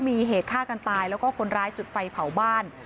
มีเหตุฆ่ากันตายแล้วก็คนร้ายจุดไฟเผาบ้าน